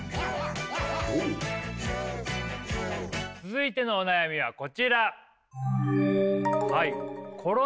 続いてのお悩みはこちら。